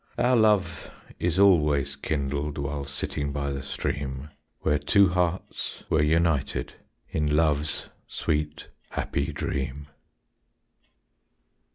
Our love is always kindled While sitting by the stream, Where two hearts were united In love's sweet happy dream.